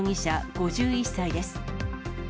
５１歳です。